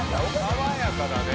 爽やかだね。